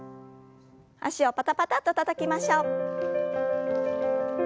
脚をパタパタッとたたきましょう。